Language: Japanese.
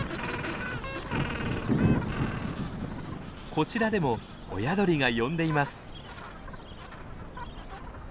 こちらでも親鳥が呼んでいます。